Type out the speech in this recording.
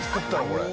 これ。